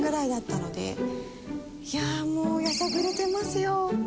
「いやあもうやさぐれてますよ」